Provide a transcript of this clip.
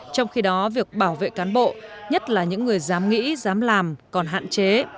trong khi đó việc bảo vệ cán bộ nhất là những người dám nghĩ dám làm còn hạn chế